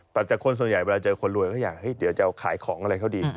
แต่จากคนส่วนใหญ่เวลาเจอคนรวยก็อยากเดี๋ยวจะขายของอะไรเขาดี